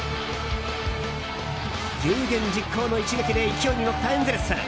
有言実行の一撃で勢いに乗ったエンゼルス。